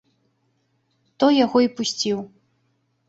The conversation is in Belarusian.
Той яго і пусціў.